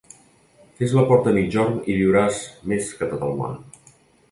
Fes la porta al migjorn i viuràs més que tot el món.